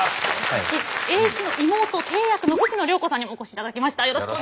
栄一の妹てい役の藤野涼子さんにもお越しいただきました。